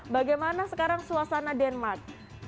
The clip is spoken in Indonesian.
bagaimana sekarang suasana denmark